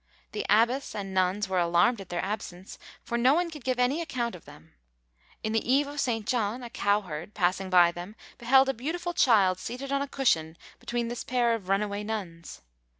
The abbess and nuns were alarmed at their absence, for no one could give any account of them. In the eve of St. John, a cowherd, passing by them, beheld a beautiful child seated on a cushion between this pair of runaway nuns.